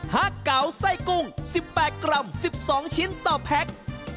เก๋าไส้กุ้ง๑๘กรัม๑๒ชิ้นต่อแพ็ค